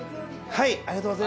はい。